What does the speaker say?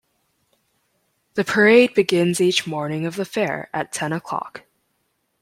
The parade begins each morning of the Fair at ten o'clock.